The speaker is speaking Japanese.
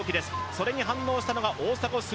それに反応したのが大迫傑。